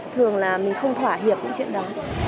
thường là mình không thỏa hiệp những chuyện đó